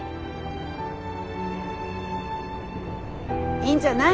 いいんじゃない？